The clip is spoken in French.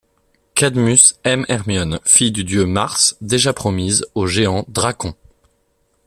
Cadmus aime Hermione, fille du dieu Mars, déjà promise au géant Dracon.